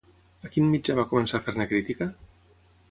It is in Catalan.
A quin mitjà va començar a fer-ne crítica?